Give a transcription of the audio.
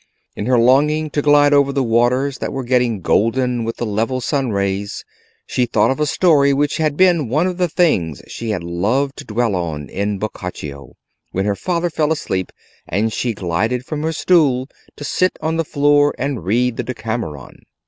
In her longing to glide over the waters that were getting golden with the level sun rays, she thought of a story which had been one of the things she had loved to dwell on in Boccaccio, when her father fell asleep and she glided from her stool to sit on the floor and read the 'Decamerone.